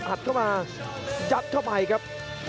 เข้ามายัดเข้าไปครับ